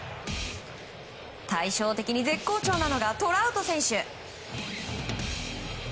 対照的に絶好調なのがトラウト選手。